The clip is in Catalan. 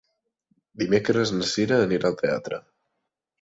Dimecres na Cira anirà al teatre.